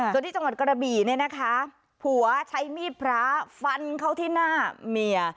ส่วนที่จังหวัดกระบี่เนี่ยนะคะผัวใช้มีดพระฟันเข้าที่หน้าเมีย